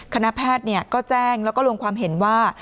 คณะแพทย์ก็แจ้งแล้วก็ลงความเห็นว่า